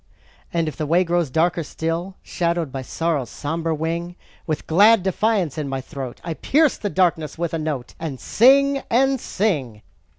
And if the way grows darker still, Shadowed by Sorrow's somber wing, With glad defiance in my throat, I pierce the darkness with a note, And sing, and sing.